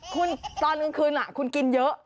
คุณตอนคืนคุณกินเยอะ